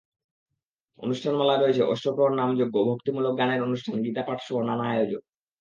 অনুষ্ঠানমালায় রয়েছে অষ্টপ্রহর নামযজ্ঞ, ভক্তিমূলক গানের অনুষ্ঠান, গীতা পাঠসহ নানা আয়োজন।